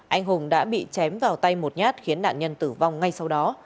anh hùng đã bị chém vào tay một nhát khiến nạn nhân tử vong ngay sau đó